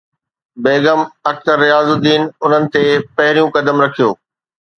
بيگم Akhtar Riazuddin انهن تي پهريون قدم رکيو